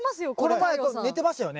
この前寝てましたよね？